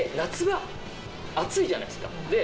夏場、暑いじゃないですか。